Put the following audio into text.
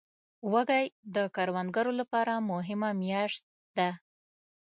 وږی د کروندګرو لپاره مهمه میاشت ده.